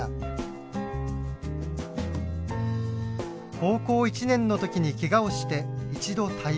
高校１年の時にけがをして一度退部。